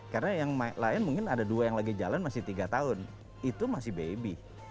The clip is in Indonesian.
karena yang lain mungkin ada dua yang lagi jalan masih tiga tahun itu masih baby